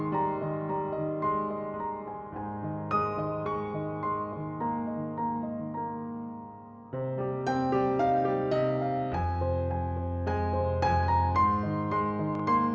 hẹn gặp lại